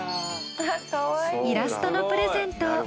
イラストのプレゼント。